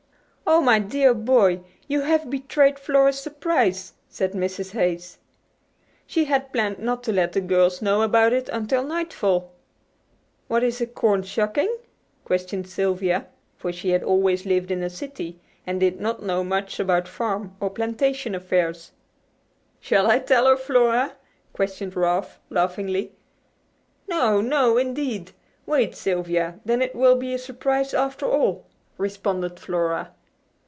"Oh, my dear boy! You have betrayed Flora's surprise," said Mrs. Hayes. "She had planned not to let the girls know about it until nightfall." "What is a 'corn shucking'?" questioned Sylvia; for she had always lived in a city and did not know much about farm or plantation affairs. "Shall I tell her, Flora?" questioned Ralph, laughingly. "No! No, indeed! Wait, Sylvia, then it will be a surprise after all," responded Flora.